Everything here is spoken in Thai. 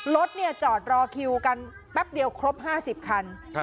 รถเนี่ยจอดรอคิวกันแป๊บเดียวครบห้าสิบคันค่ะ